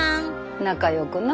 仲よくな。